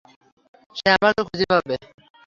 কে আমাকে খুঁজে পাবে।